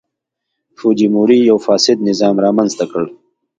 فوجیموري یو فاسد نظام رامنځته کړ.